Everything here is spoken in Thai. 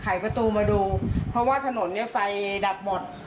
ประตูมาดูเพราะว่าถนนเนี่ยไฟดับหมด